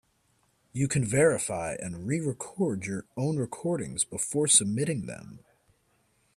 You can verify and re-record your own recordings before submitting them.